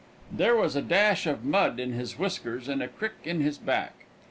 There was a dash of mud in his whiskers and a crick in his back.